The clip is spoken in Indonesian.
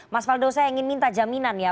mas faldo saya ingin minta jaminan ya